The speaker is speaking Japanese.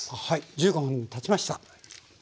１５分たちました。